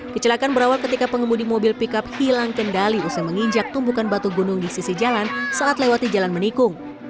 kecelakaan berawal ketika pengemudi mobil pickup hilang kendali usai menginjak tumpukan batu gunung di sisi jalan saat lewati jalan menikung